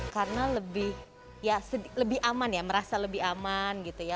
karena lebih aman ya merasa lebih aman gitu ya